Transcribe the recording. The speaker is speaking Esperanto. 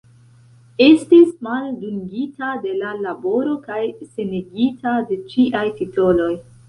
Estis maldungita de la laboro kaj senigita de ĉiaj titoloj.